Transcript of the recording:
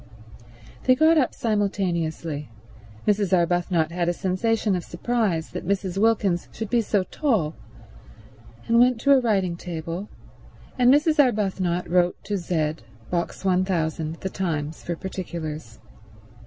They got up simultaneously—Mrs. Arbuthnot had a sensation of surprise that Mrs. Wilkins should be so tall—and went to a writing table, and Mrs. Arbuthnot wrote to Z, Box 1000, The Times, for particulars.